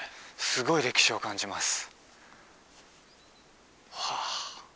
すごい歴史を感じますわあ